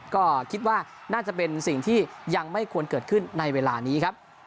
ก็คิดว่าน่าจะเป็นสิ่งที่ยังไม่ควรเกิดขึ้นในเวลานี้ครับ